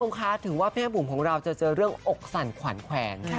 คุณผู้ชมคะถึงว่าแม่บุ๋มของเราจะเจอเรื่องอกสั่นขวัญแขวน